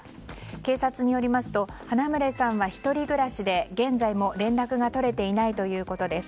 警察によりますと花牟礼さんは１人暮らしで現在も連絡が取れていないということです。